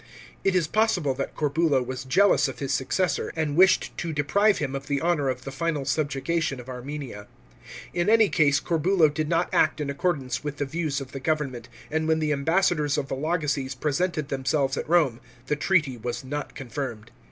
It is possible that Corbulo was jealous of his successor, and wished to deprive him of the honour of the final subjugation of Armenia. In any case Corbulo did not act in accordance with the views of the government, and when the ambassadors of Vologeses presented themselves at Rome, the treaty was not confirmed.